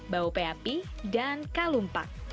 bau pehapi dan kalumpak